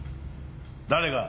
誰が？